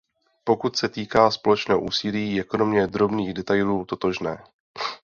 Pokud se týká společného úsilí, je kromě drobných detailů totožné.